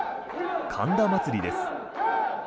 神田祭です。